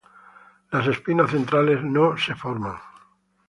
Las espinas centrales no se forman.